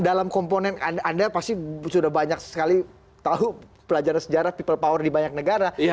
dalam komponen anda pasti sudah banyak sekali tahu pelajaran sejarah people power di banyak negara